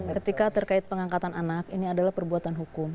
ketika terkait pengangkatan anak ini adalah perbuatan hukum